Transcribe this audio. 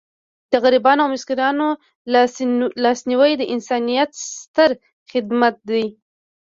د غریبانو او مسکینانو لاسنیوی د انسانیت ستر خدمت دی.